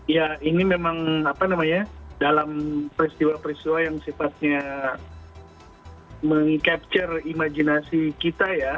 ya ini memang apa namanya dalam peristiwa peristiwa yang sifatnya meng capture imajinasi kita ya